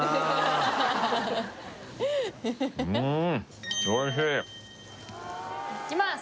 うん！いきます！